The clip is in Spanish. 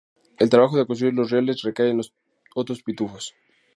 El trabajo de construir los rieles recae en los otros pitufos.